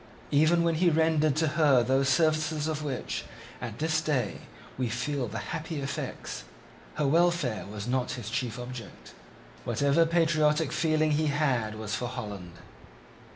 Even when he rendered to her those services of which, at this day, we feel the happy effects, her welfare was not his chief object. Whatever patriotic feeling he had was for Holland.